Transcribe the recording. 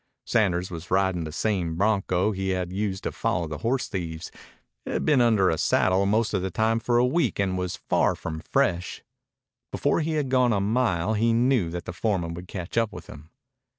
Sanders was riding the same bronco he had used to follow the horsethieves. It had been under a saddle most of the time for a week and was far from fresh. Before he had gone a mile he knew that the foreman would catch up with him.